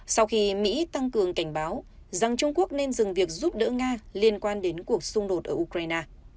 sau khi mỹ tăng cường cảnh báo rằng trung quốc nên dừng việc giúp đỡ nga liên quan đến cuộc xung đột ở ukraine